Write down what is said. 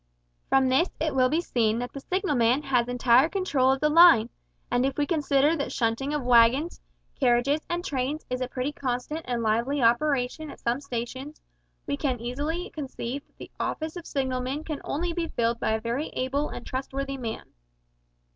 From this it will be seen that the signalman has entire control of the line, and if we consider that shunting of waggons, carriages, and trains is a pretty constant and lively operation at some stations, we can easily conceive that the office of signalman can only be filled by a very able and trustworthy man.